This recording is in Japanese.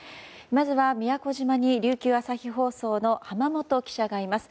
まずは宮古島に琉球朝日放送の濱元記者がいます。